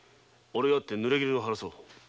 会ってぬれぎぬを晴らそう。